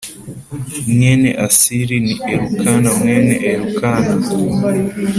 Mwene asiri ni elukana mwene elukana